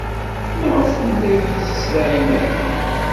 Maɣef ur la iyi-ttlaɛin ara?